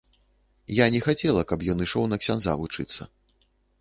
Я не хацела, каб ён ішоў на ксяндза вучыцца.